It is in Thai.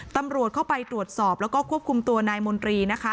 ตำรวจเข้าไปตรวจสอบแล้วก็ควบคุมตัวนายมนตรีนะคะ